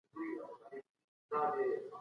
هغه څوک چي عدالت غواړي، بايد صبر وکړي.